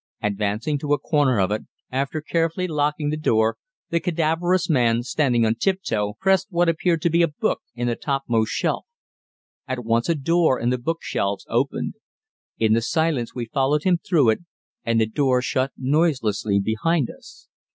Advancing to a corner of it, after carefully locking the door, the cadaverous man, standing on tiptoe, pressed what appeared to be a book in the topmost shelf. At once a door in the bookshelves opened. In silence we followed him through it, and the door shut noiselessly behind us.